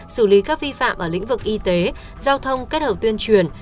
xử lý các vi phạm ở lĩnh vực y tế giao thông kết hợp tuyên truyền